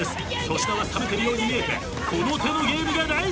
粗品は冷めてるように見えてこの手のゲームが大好き。